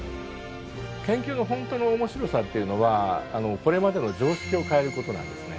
研究の本当の面白さっていうのはこれまでの常識を変えることなんですね。